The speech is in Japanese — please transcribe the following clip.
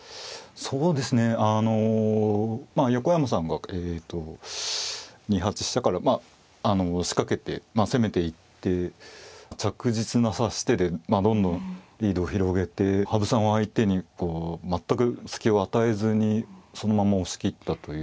そうですねあのまあ横山さんがえと２八飛車からまあ仕掛けて攻めていって着実な指し手でまあどんどんリードを広げて羽生さんを相手にこう全く隙を与えずにそのまま押し切ったという。